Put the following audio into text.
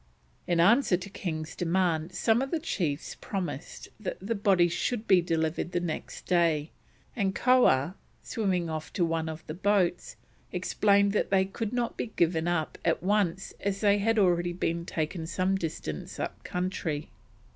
In answer to King's demand some of the chiefs promised that the bodies should be delivered the next day, and Koah, swimming off to one of the boats, explained that they could not be given up at once as they had already been taken some distance up country.